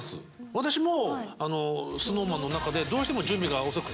私もＳｎｏｗＭａｎの中でどうしても準備が遅くて。